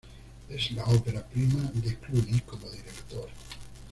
Es la ópera prima de Clooney como director.